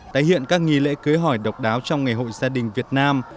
tái hiện các nghi lễ cưới hỏi độc đáo trong ngày hội gia đình việt nam